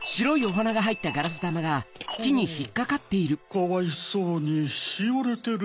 かわいそうにしおれてる。